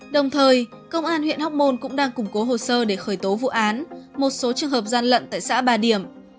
đồng thời công an huyện hóc môn cũng đang củng cố hồ sơ để khởi tố vụ án một số trường hợp gian lận tại xã ba điểm